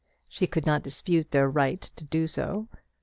She could not dispute their right to do so.